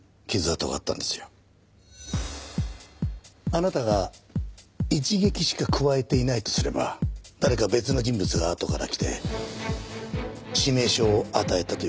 あなたが一撃しか加えていないとすれば誰か別の人物があとから来て致命傷を与えたという事になる。